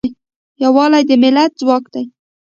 یوالی د ملت ځواک دی.